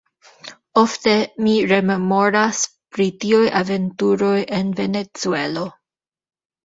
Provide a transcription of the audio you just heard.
Ofte mi rememoras pri tiuj aventuroj en Venezuelo.